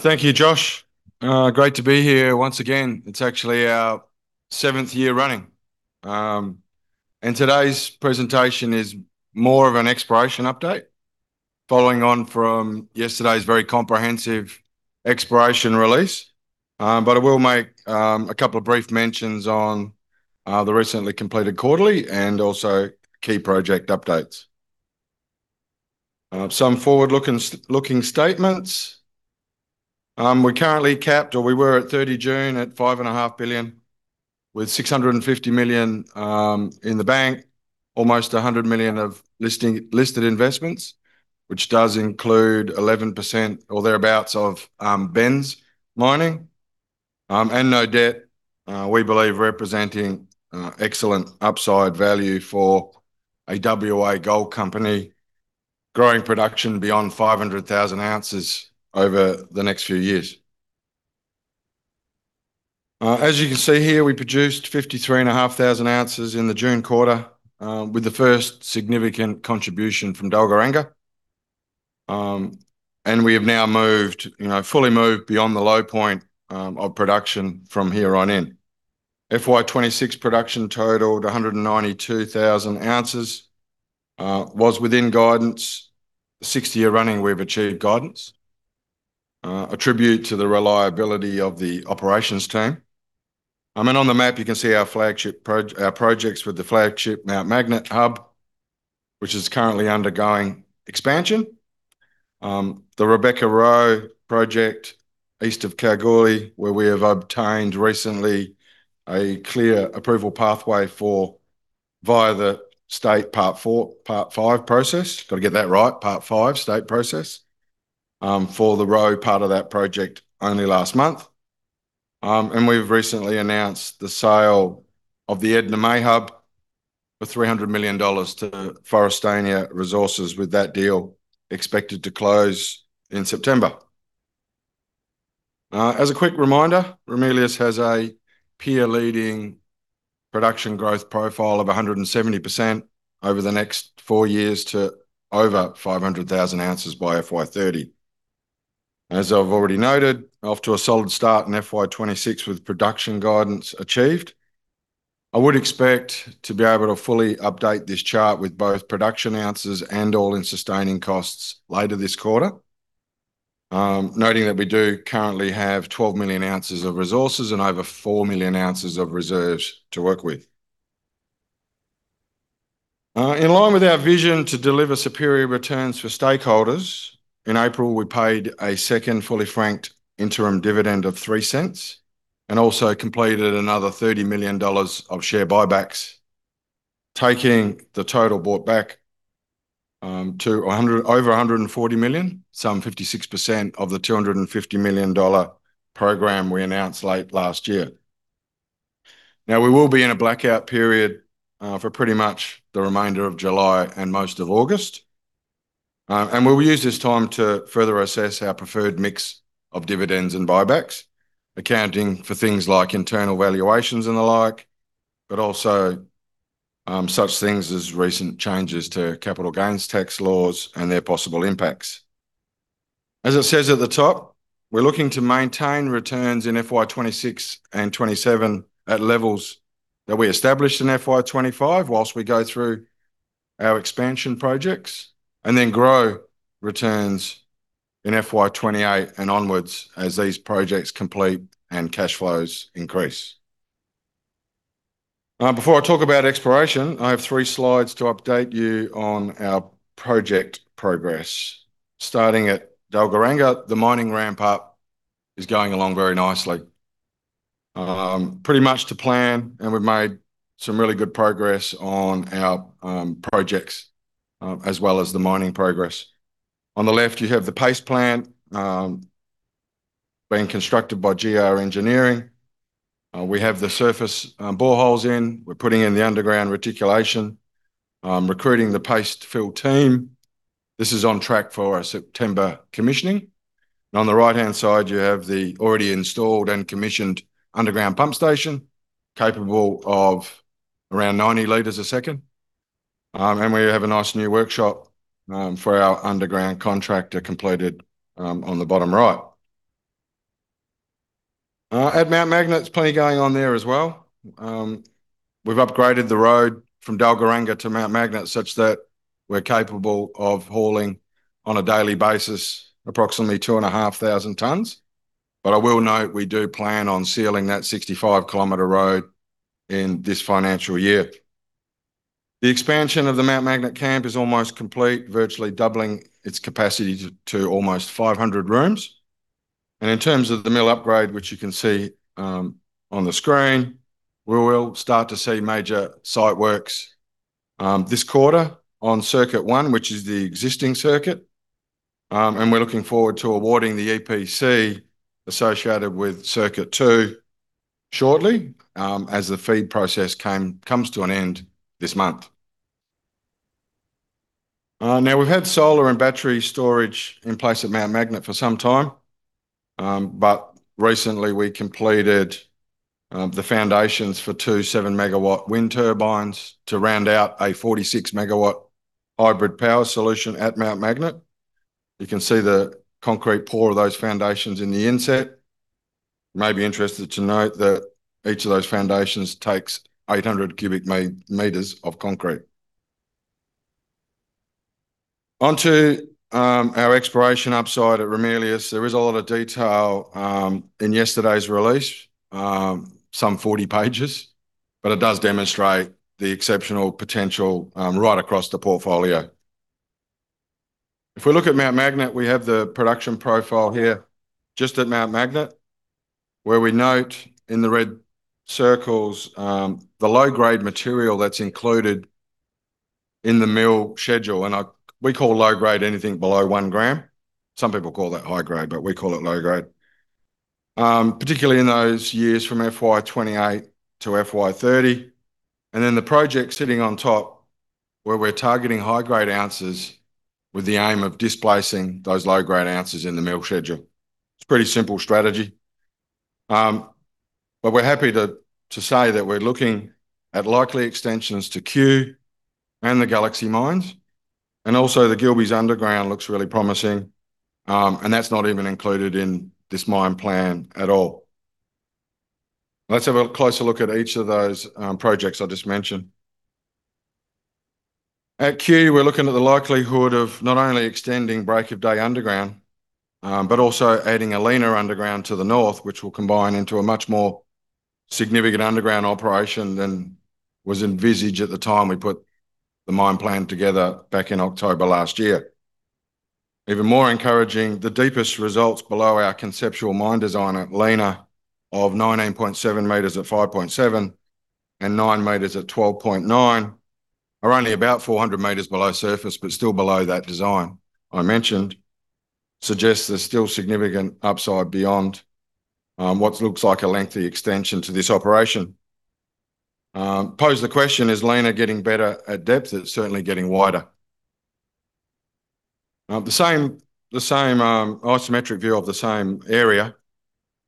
Thank you, Josh. Great to be here once again. It's actually our 7th year running. Today's presentation is more of an exploration update following on from yesterday's very comprehensive exploration release. I will make a couple of brief mentions on the recently completed quarterly and also key project updates. Some forward-looking statements. We're currently capped, or we were at June 30 at 5.5 billion, with 650 million in the bank, almost 100 million of listed investments, which does include 11% or thereabouts of Benz Mining, and no debt. We believe representing excellent upside value for a W.A. gold company growing production beyond 500,000 oz over the next few years. As you can see here, we produced 53,500 oz in the June quarter, with the first significant contribution from Dalgaranga. We have now fully moved beyond the low point of production from here on in. FY 2026 production totaled 192,000 oz, was within guidance. 6th year running we've achieved guidance, a tribute to the reliability of the operations team. On the map, you can see our projects with the flagship Mt Magnet hub, which is currently undergoing expansion. The Rebecca-Roe project, east of Kalgoorlie, where we have obtained recently a clear approval pathway via the state Part V process. Got to get that right, Part V state process, for the Roe part of that project only last month. We've recently announced the sale of the Edna May hub for 300 million dollars to Forrestania Resources, with that deal expected to close in September. As a quick reminder, Ramelius has a peer-leading production growth profile of 170% over the next four years to over 500,000 oz by FY 2030. As I've already noted, off to a solid start in FY 2026 with production guidance achieved. I would expect to be able to fully update this chart with both production ounces and all-in sustaining costs later this quarter. Noting that we do currently have 12 million ounces of resources and over 4 million ounces of reserves to work with. In line with our vision to deliver superior returns for stakeholders, in April we paid a second fully franked interim dividend of 0.03 and also completed another 30 million dollars of share buybacks, taking the total bought back to over 140 million, some 56% of the 250 million dollar program we announced late last year. We will be in a blackout period for pretty much the remainder of July and most of August. We will use this time to further assess our preferred mix of dividends and buybacks, accounting for things like internal valuations and the like, also such things as recent changes to capital gains tax laws and their possible impacts. As it says at the top, we're looking to maintain returns in FY 2026 and FY 2027 at levels that we established in FY 2025 whilst we go through our expansion projects, then grow returns in FY 2028 and onwards as these projects complete and cash flows increase. Before I talk about exploration, I have three slides to update you on our project progress. Starting at Dalgaranga, the mining ramp-up is going along very nicely. Pretty much to plan, we've made some really good progress on our projects, as well as the mining progress. On the left, you have the paste plant being constructed by GR Engineering. We have the surface boreholes in. We're putting in the underground reticulation, recruiting the paste fill team. This is on track for a September commissioning. On the right-hand side, you have the already installed and commissioned underground pump station capable of around 90 liters a second. We have a nice new workshop for our underground contractor completed on the bottom right. At Mt Magnet, there's plenty going on there as well. We've upgraded the road from Dalgaranga to Mt Magnet such that we're capable of hauling on a daily basis approximately 2,500 tons. I will note we do plan on sealing that 65 km road in this financial year. The expansion of the Mt Magnet camp is almost complete, virtually doubling its capacity to almost 500 rooms. In terms of the mill upgrade, which you can see on the screen, we will start to see major site works this quarter on circuit I, which is the existing circuit. We're looking forward to awarding the EPC associated with circuit II shortly, as the feed process comes to an end this month. We've had solar and battery storage in place at Mt Magnet for some time. Recently we completed the foundations for two 7 MW wind turbines to round out a 46 MW hybrid power solution at Mt Magnet. You can see the concrete pour of those foundations in the inset. You may be interested to note that each of those foundations takes 800 cu m of concrete. On to our exploration upside at Ramelius. There is a lot of detail in yesterday's release, some 40 pages. It does demonstrate the exceptional potential right across the portfolio. If we look at Mt Magnet, we have the production profile here just at Mt Magnet, where we note in the red circles, the low-grade material that's included in the mill schedule. We call low-grade anything below 1 g. Some people call that high-grade, but we call it low-grade. Particularly in those years from FY 2028-FY 2030. Then the project sitting on top, where we're targeting high-grade ounces with the aim of displacing those low-grade ounces in the mill schedule. It's a pretty simple strategy. We're happy to say that we're looking at likely extensions to Cue and the Galaxy mines, and also the Gilbey's underground looks really promising. That's not even included in this mine plan at all. Let's have a closer look at each of those projects I just mentioned. At Cue, we're looking at the likelihood of not only extending Break of Day underground, but also adding Lena underground to the north, which will combine into a much more significant underground operation than was envisaged at the time we put the mine plan together back in October last year. Even more encouraging, the deepest results below our conceptual mine design at Lena of 19.7 m at 5.7 and 9 m at 12.9 are only about 400 m below surface, but still below that design I mentioned. Suggests there's still significant upside beyond what looks like a lengthy extension to this operation. Pose the question, is Lena getting better at depth? It's certainly getting wider. The same isometric view of the same area.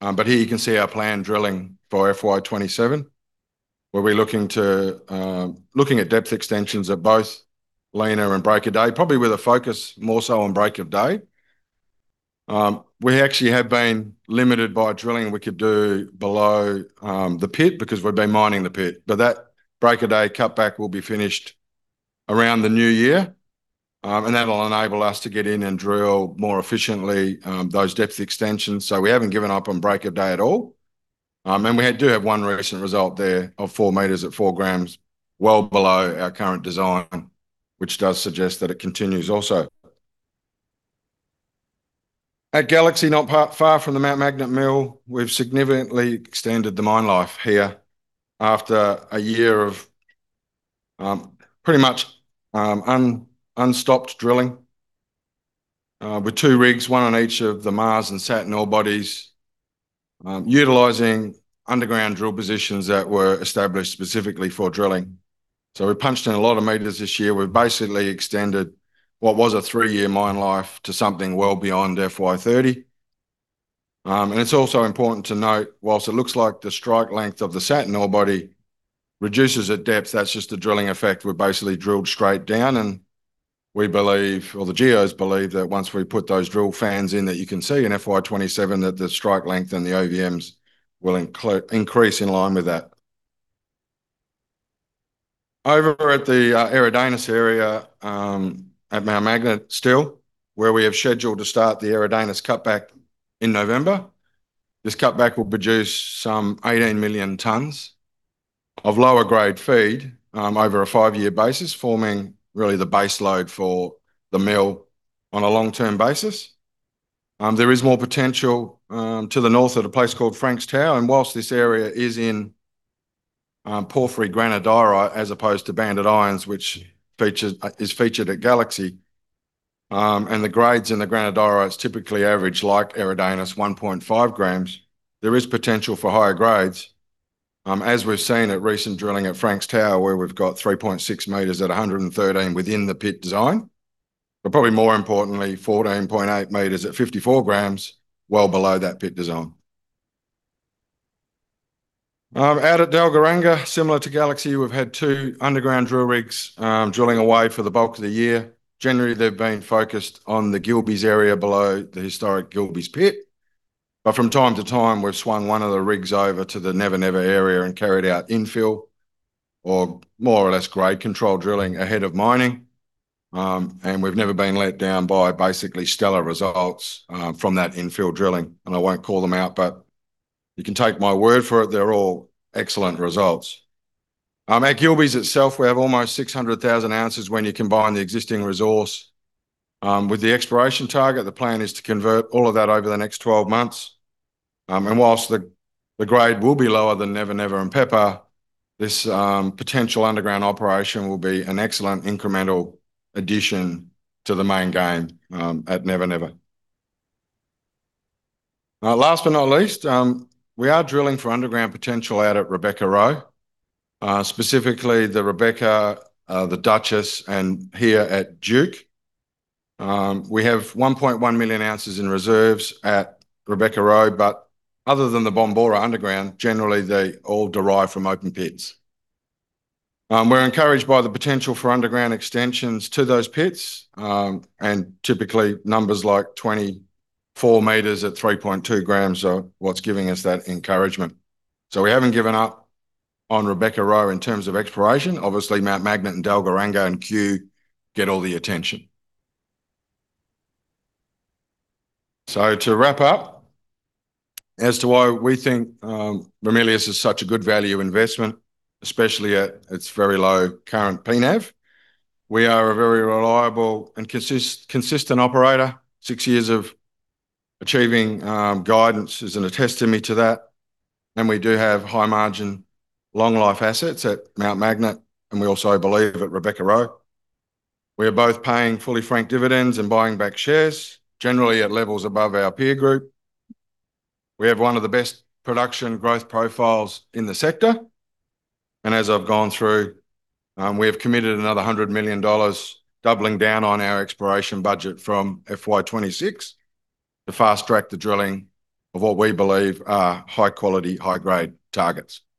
Here you can see our planned drilling for FY 2027, where we're looking at depth extensions at both Lena and Break of Day, probably with a focus more so on Break of Day. We actually have been limited by drilling we could do below the pit because we've been mining the pit. That Break of Day cutback will be finished around the new year. That'll enable us to get in and drill more efficiently, those depth extensions. We haven't given up on Break of Day at all. We do have one recent result there of four meters at four grams, well below our current design, which does suggest that it continues also. At Galaxy, not far from the Mt Magnet mill, we've significantly extended the mine life here after a year of pretty much unstopped drilling. With two rigs, one on each of the Mars and Saturn ore bodies, utilizing underground drill positions that were established specifically for drilling. We punched in a lot of meters this year. We've basically extended what was a three-year mine life to something well beyond FY 2030. It's also important to note, whilst it looks like the strike length of the Saturn ore body reduces at depth, that's just a drilling effect. We basically drilled straight down and we believe, or the geos believe, that once we put those drill fans in that you can see in FY 2027, that the strike length and the [ozpvm] will increase in line with that. Over at the Eridanus area, at Mt Magnet still, where we have scheduled to start the Eridanus cutback in November. This cutback will produce some 18 million tons of lower grade feed over a five-year basis, forming really the base load for the mill on a long-term basis. There is more potential to the north at a place called Franks Tower, and whilst this area is in porphyry granodiorite as opposed to banded irons, which is featured at Galaxy. The grades in the granodiorite typically average, like Eridanus, 1.5 g. There is potential for higher grades, as we've seen at recent drilling at Franks Tower, where we've got 3.6 m at 113 within the pit design. Probably more importantly, 14.8 m at 54 g, well below that pit design. Out at Dalgaranga, similar to Galaxy, we've had two underground drill rigs drilling away for the bulk of the year. Generally, they've been focused on the Gilbey's area below the historic Gilbey's pit. From time to time, we've swung one of the rigs over to the Never Never area and carried out infill or more or less grade control drilling ahead of mining. We've never been let down by basically stellar results from that infill drilling. I won't call them out, but you can take my word for it, they're all excellent results. At Gilbey's itself, we have almost 600,000 oz when you combine the existing resource with the exploration target. The plan is to convert all of that over the next 12 months. Whilst the grade will be lower than Never Never and Pepper, this potential underground operation will be an excellent incremental addition to the main game at Never Never. Last but not least, we are drilling for underground potential out at Rebecca-Roe. Specifically the Rebecca, the Duchess, and here at Duke. We have 1.1 million ounces in reserves at Rebecca-Roe, other than the Bombora underground, generally, they all derive from open pits. We're encouraged by the potential for underground extensions to those pits. Typically, numbers like 24 m at 3.2 g are what's giving us that encouragement. We haven't given up on Rebecca-Roe in terms of exploration. Obviously, Mt Magnet and Dalgaranga and Cue get all the attention. To wrap up as to why we think Ramelius is such a good value investment, especially at its very low current P/NAV. We are a very reliable and consistent operator. Six years of achieving guidance is a testimony to that. We do have high margin, long life assets at Mt Magnet, and we also believe at Rebecca-Roe. We are both paying fully franked dividends and buying back shares, generally at levels above our peer group. We have one of the best production growth profiles in the sector. As I've gone through, we have committed another 100 million dollars, doubling down on our exploration budget from FY 2026 to fast-track the drilling of what we believe are high quality, high grade targets. Thank you